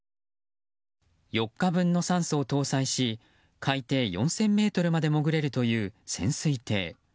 ４日分の酸素を搭載し海底４０００ｍまで潜れるという潜水艇。